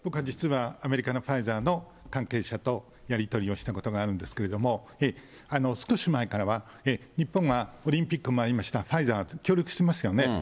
実はアメリカのファイザーの関係者とやり取りをしたことがあるんですけれども、少し前からは、日本はオリンピックもありました、ファイザーが協力してますよね。